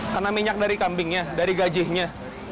kena minyak dari kambingnya dari gajihnya